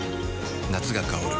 夏が香る